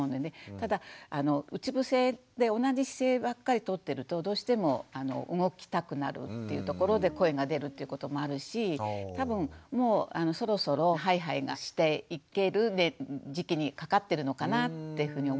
ただうつ伏せで同じ姿勢ばっかりとってるとどうしても動きたくなるっていうところで声が出るっていうこともあるし多分もうそろそろはいはいがしていける時期にかかってるのかなってふうに思うし。